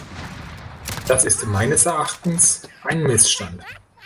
Das ist meines Erachtens ein Missstand.